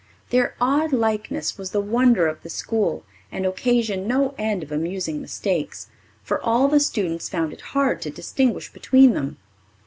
Their odd likeness was the wonder of the school and occasioned no end of amusing mistakes, for all the students found it hard to distinguish between them.